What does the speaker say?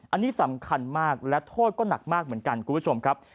อันนี้สำคัญมากและโทษก็หนักมากเหมือนกันคุณผู้ชมครับ